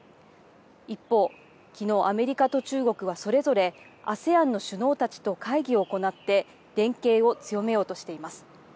一方、きのう、アメリカと中国はそれぞれ、ＡＳＥＡＮの首脳たちと会議を行って、連携を強めようとしています。